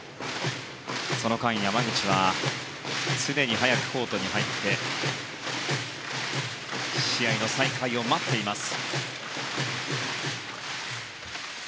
その間、山口は常に早くコートに入って試合の再開を待っています。